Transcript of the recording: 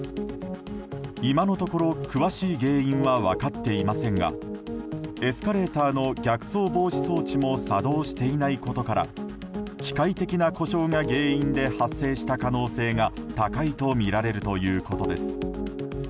今のところ詳しい原因は分かっていませんがエスカレーターの逆走防止装置も作動していないことから機械的な故障が原因で発生した可能性が高いとみられるということです。